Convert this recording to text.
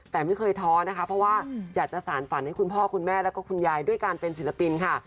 แต่ไม่เคยท้อนะคะเพราะว่าอยากจะสารฝันให้คุณพ่อคุณแม่แล้วก็คุณยายด้วยการเป็นศิลปินค่ะ